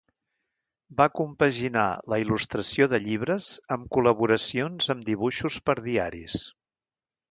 Va compaginar la il·lustració de llibres amb col·laboracions amb dibuixos per diaris.